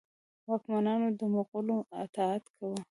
واکمنانو د مغولو اطاعت کاوه.